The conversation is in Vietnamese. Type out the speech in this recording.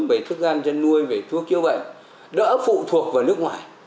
về thức gian chăn nuôi về thuốc chữa bệnh đỡ phụ thuộc vào nước ngoài